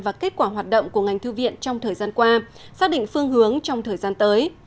và hoạt động của ngành thư viện trong thời gian qua xác định phương hướng trong thời gian tới